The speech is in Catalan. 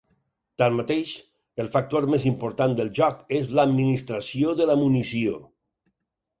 Tanmateix, el factor més important del joc és l'administració de la munició.